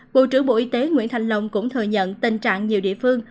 bộ trưởng bộ y tế nguyễn thanh long cũng thừa nhận tình trạng nhiều địa phương